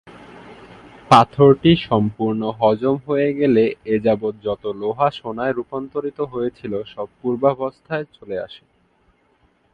পাথরটি সম্পূর্ণ হজম হয়ে গেলে এযাবৎ যত লোহা সোনায় রূপান্তরিত হয়েছিল সব পূর্বাবস্থায় চলে আসে।